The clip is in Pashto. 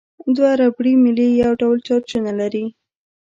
دوه ربړي میلې یو ډول چارجونه لري.